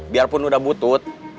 biarpun udah butut